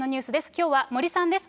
きょうは森さんです。